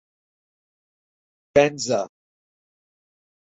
Benza.